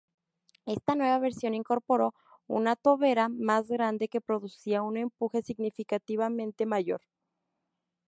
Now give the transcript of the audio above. Esta nueva versión incorporó una tobera más grande que producía un empuje significativamente mayor.